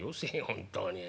本当に。